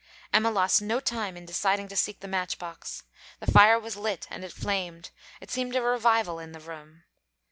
Emma lost no time in deciding to seek the match box. The fire was lit and it flamed; it seemed a revival in the room.